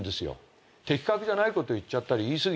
的確じゃないこと言っちゃったり言い過ぎたり。